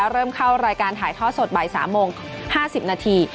เริ่มเข้ารายการถ่ายทอดสดบ่าย๓โมง๕๐นาที